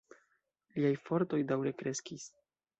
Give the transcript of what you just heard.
Liaj fortoj daŭre kreskis.